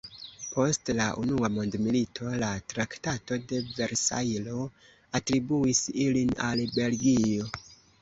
Post la Unua mondmilito la Traktato de Versajlo atribuis ilin al Belgio.